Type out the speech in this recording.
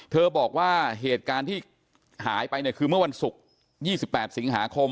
บอกว่าเหตุการณ์ที่หายไปเนี่ยคือเมื่อวันศุกร์๒๘สิงหาคม